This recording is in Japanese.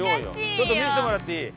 ちょっと見せてもらっていい？